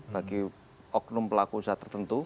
bagi oknum pelaku usaha tertentu